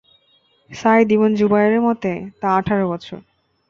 Saeed ibn জুবায়রের মতে, তা আঠার বছর।